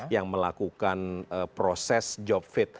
yang melakukan proses job fit